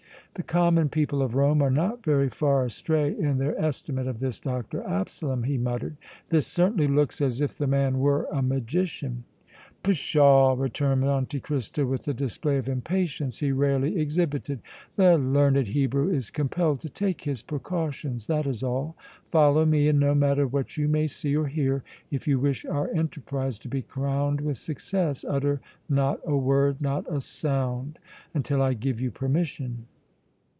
"The common people of Rome are not very far astray in their estimate of this Dr. Absalom!" he muttered. "This certainly looks as if the man were a magician!" "Pshaw!" returned Monte Cristo, with a display of impatience he rarely exhibited. "The learned Hebrew is compelled to take his precautions; that is all. Follow me, and no matter what you may see or hear, if you wish our enterprise to be crowned with success utter not a word, not a sound, until I give you permission!"